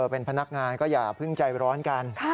เป็นพนักงานก็อย่าเพิ่งใจร้อนกัน